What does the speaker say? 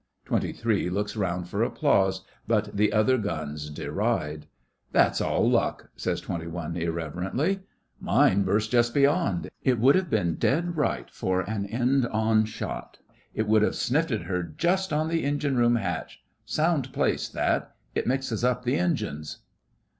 Twenty Three looks round for applause, but the other guns deride. 'That's all luck,' says Twenty One, irreverently. 'Mine burst just beyond. It would have been dead right for an end on shot. It would have snifted her just on the engine room hatch. Sound place that. It mixes up the engines.